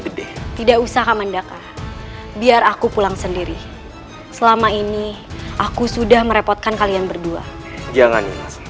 gede tidak usah kamandaka biar aku pulang sendiri selama ini aku sudah merepotkan kalian berdua jangan